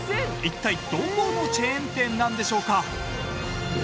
一体どこのチェーン店なんでしょうか？